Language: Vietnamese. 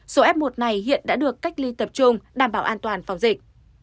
số f một này hiện đã được cách ly tập trung đảm bảo an toàn phòng dịch